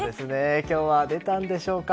今日は出たんでしょうか。